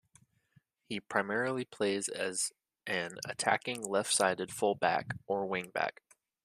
He primarily plays as an attacking left-sided full-back or wing-back.